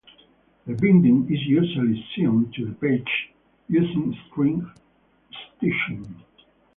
The binding is usually sewn to the pages using string stitching.